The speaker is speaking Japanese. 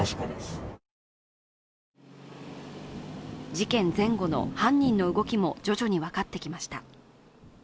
事件前後の犯人の動きも徐々に分かってきました。